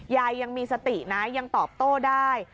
ยังมีสตินะยังตอบโต้ได้